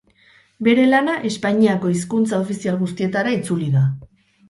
Bere lana Espainiako hizkuntza ofizial guztietara itzuli da.